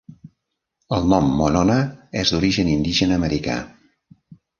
El nom Monona és d'origen indígena americà.